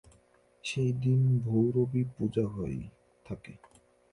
সেই দিন ভৈরবী পূজা হয়ে থাকে।